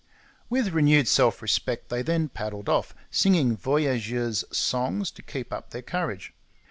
With renewed self respect they then paddled off, singing voyageurs' songs to keep up their courage.